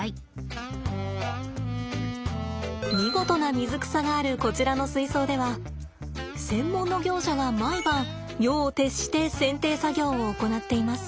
見事な水草があるこちらの水槽では専門の業者が毎晩夜を徹して剪定作業を行っています。